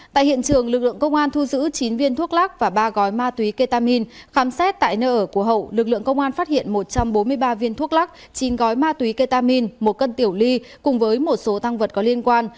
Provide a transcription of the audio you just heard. tại hiện trường lực lượng công an thu giữ chín viên thuốc lắc và ba gói ma túy ketamin khám xét tại nơi ở của hậu lực lượng công an phát hiện một trăm bốn mươi ba viên thuốc lắc chín gói ma túy ketamin một cân tiểu ly cùng với một số tăng vật có liên quan